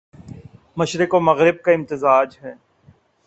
مشرق و مغرب کا امتزاج ہے